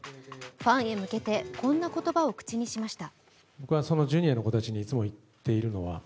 ファンへ向けて、こんな言葉を口にしました。